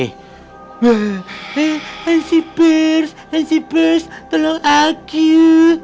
eh hansi pers hansi pers tolong aku